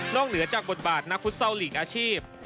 นอกเหนือจากบทบาทนักพุทธเศร้าหลีกอาชีพ